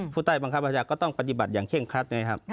ผู้ใต้บังคับอาชาประกาศก็ต้องปฏิบัติอย่างเคร่งครัด